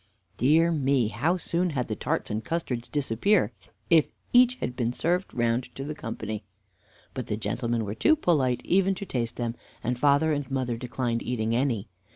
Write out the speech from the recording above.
Dear me, how soon had the tarts and custards disappeared, if one of each had been served round to the company! But the gentlemen were too polite even to taste them, and father and mother declined eating any.